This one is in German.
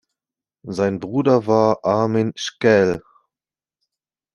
Sein Bruder war Armin Sckell.